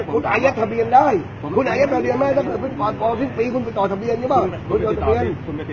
คุณอายักษ์ทะเบียนได้คุณอายักษ์ทะเบียนไหมถ้าเกิดเป็นป่อนปลอดภิกษ์ปีคุณไปต่อทะเบียนใช่ไหม